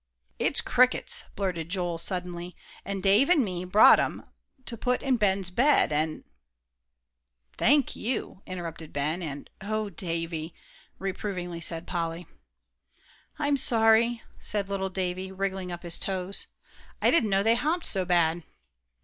"It's crickets!" blurted Joel, suddenly, "an' Dave an' me brought 'em to put in Ben's bed, an' " "Thank you," interrupted Ben, and, "Oh, Davie," reprovingly said Polly. "I'm sorry," said little Davie, wriggling up his toes; "I didn't know they hopped so bad.